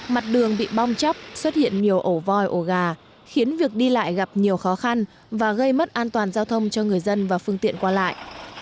mặt đường bị bong chóc xuất hiện nhiều ổ voi ổ gà khiến việc đi lại gặp nhiều khó khăn và gây mất an toàn giao thông cho người dân và phương tiện qua lại